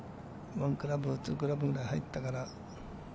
１クラブ、２クラブぐらい入ったから。